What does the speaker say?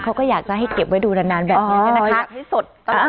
เขาก็อยากจะให้เก็บไว้ดูนานนานแบบเนี้ยนะคะอ๋ออยากให้สด